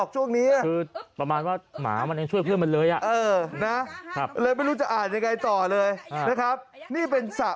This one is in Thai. อ้อช่วยพี่โต